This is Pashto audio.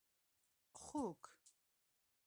🐖 خوګ